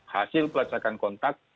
hasil pelacakan kontak